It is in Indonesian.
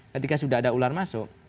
ketika sudah ada ular masuk